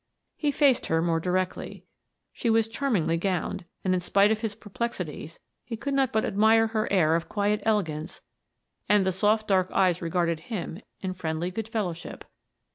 He faced her more directly. She was charmingly gowned, and in spite of his perplexities, he could not but admire her air of quiet elegance and the soft dark eyes regarding him in friendly good fellowship.